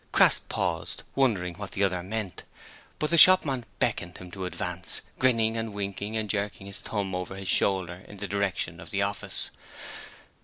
Crass paused, wondering what the other meant; but the shopman beckoned him to advance, grinning and winking and jerking his thumb over his shoulder in the direction of the office.